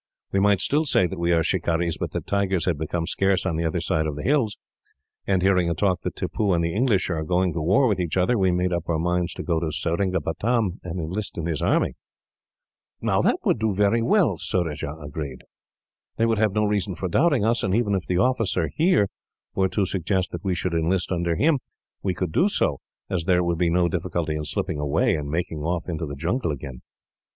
We might still say that we are shikarees, but that tigers had become scarce on the other side of the hills, and, hearing a talk that Tippoo and the English are going to war with each other, we made up our minds to go to Seringapatam, and enlist in his army." "That would do very well," Surajah agreed. "They would have no reason for doubting us, and even if the officer here were to suggest that we should enlist under him, we could do so, as there would be no difficulty in slipping away, and making off into the jungle again."